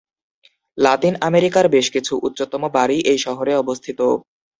লাতিন আমেরিকার বেশ কিছু উচ্চতম বাড়ি এই শহরে অবস্থিত।